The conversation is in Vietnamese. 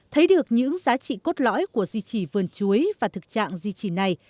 thấy được những giá trị cốt lõi của di chỉ vườn chuối và thực trạng di chỉ này